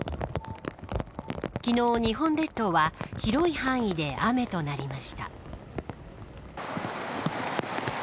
昨日、日本列島は広い範囲で雨となりました。